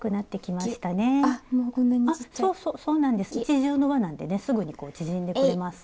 一重のわなんでねすぐに縮んでくれます。